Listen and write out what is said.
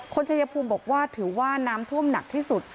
ชายภูมิบอกว่าถือว่าน้ำท่วมหนักที่สุด